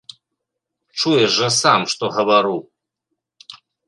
Чуеш жа сам, што гавару.